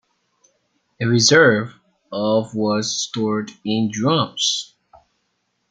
A reserve of was stored in drums.